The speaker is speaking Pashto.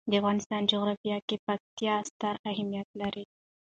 د افغانستان جغرافیه کې پکتیا ستر اهمیت لري.